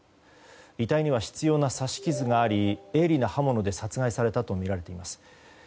遺体には執拗な刺し傷があり鋭利な刃物で殺害されたとみられています。